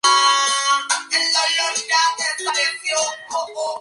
En esta pelea sufrió desprendimiento de retina y decidió retirarse del boxeo.